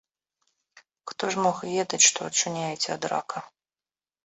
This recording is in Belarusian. Хто ж мог ведаць, што ачуняеце ад рака.